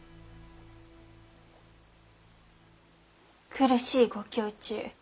苦しいご胸中